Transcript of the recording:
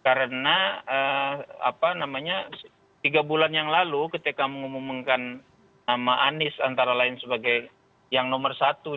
karena apa namanya tiga bulan yang lalu ketika mengumumkan nama anies antara lain sebagai yang nomor satu